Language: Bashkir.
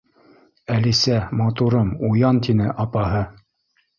—Әлисә, матурым, уян! —тине апаһы.